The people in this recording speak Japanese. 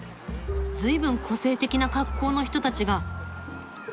ずいぶん個性的な格好の人たちが。